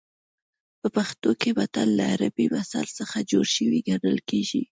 په پښتو کې متل له عربي مثل څخه جوړ شوی ګڼل کېږي